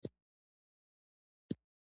ادارې ته مالي، د وخت او سرچينو زیان اړولی شي.